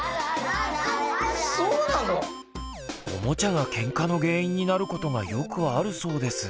オモチャがケンカの原因になることがよくあるそうです。